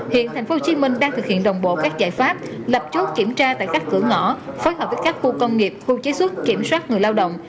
hiện tp hcm đang thực hiện đồng bộ các giải pháp lập chốt kiểm tra tại các cửa ngõ phối hợp với các khu công nghiệp khu chế xuất kiểm soát người lao động